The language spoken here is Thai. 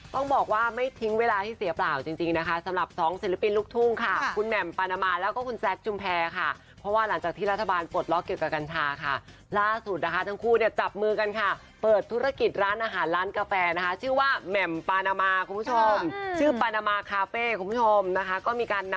ต้องบอกว่าไม่ทิ้งเวลาให้เสียเปล่าจริงนะคะสำหรับสองศิลปินลูกทุ่งค่ะคุณแหม่มปานามาแล้วก็คุณแซคชุมแพรค่ะเพราะว่าหลังจากที่รัฐบาลปลดล็อกเกี่ยวกับกัญชาค่ะล่าสุดนะคะทั้งคู่เนี่ยจับมือกันค่ะเปิดธุรกิจร้านอาหารร้านกาแฟนะคะชื่อว่าแหม่มปานามาคุณผู้ชมชื่อปานามาคาเฟ่คุณผู้ชมนะคะก็มีการนำ